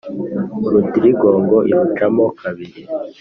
Urutirigongo iruca mo kabiri